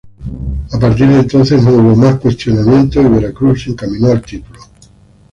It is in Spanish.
A partir de entonces no hubo más cuestionamientos y Veracruz se encaminó al título.